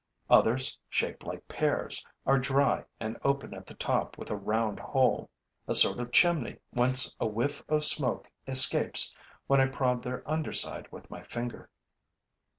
Others, shaped like pears, are dry and open at the top with a round hole, a sort of chimney whence a whiff of smoke escapes when I prod their under side with my finger.